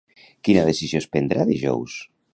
Quina decisió es prendrà dijous?